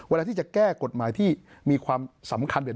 เวลาที่จะแก้กฎหมายที่มีความสำคัญเนี่ย